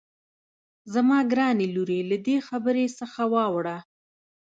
زما ګرانې لورې له دې خبرې څخه واوړه.